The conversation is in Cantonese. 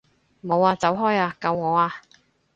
冇啊！走開啊！救我啊！